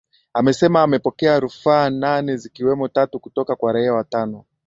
amesema amepokea rufaa nane zikiwemo tatu kutoka kwa raia watano